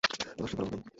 তোমার শৃঙ্খলাবোধ নেই?